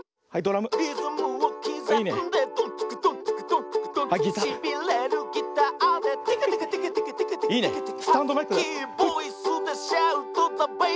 「リズムをきざんでドンツクドンツクドンツクドンツク」「しびれるギターでテケテケテケテケテケテケテケテケ」「ハスキーボイスでシャウトだベイベー」